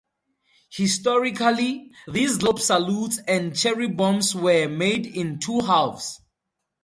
Historically, these globe salutes and cherry bombs were made in two halves.